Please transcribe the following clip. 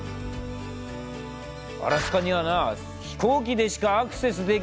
アラスカにはな飛行機でしかアクセスできない